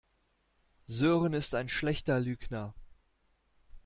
Sören ist ein schlechter Lügner.